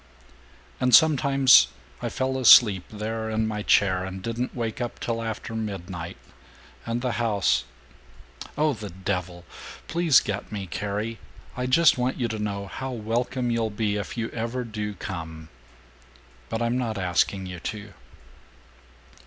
And sometimes I fell asleep there, in my chair, and didn't wake up till after midnight, and the house Oh, the devil! Please get me, Carrie. I just want you to know how welcome you'll be if you ever do come. But I'm not asking you to."